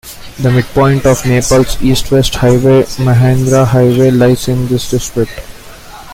The midpoint of Nepal's east-west highway Mahendra Highway lies in this district.